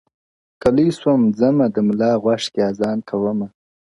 که لوی سوم ځمه د ملا غوږ کي آذان کومه؛